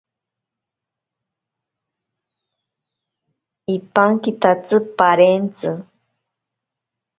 Ipankitatsi parentzi.